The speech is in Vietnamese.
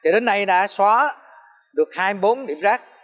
đến nay đã xóa được hai mươi bốn điểm rác